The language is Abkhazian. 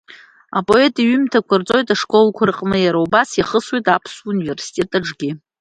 Апоет иҩымҭақәа рҵоит ашколқәа рҟны, иара убас иахысуеит Аԥсуа университет аҿгьы.